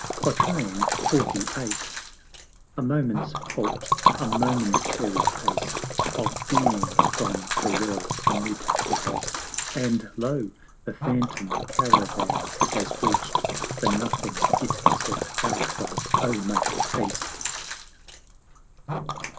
XLVIII. A Moment's Halt a momentary taste Of BEING from the Well amid the Waste And Lo! the phantom Caravan has reach'd The NOTHING it set out from Oh, make haste!